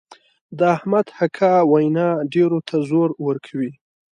د احمد حقه وینا ډېرو ته زور ورکوي.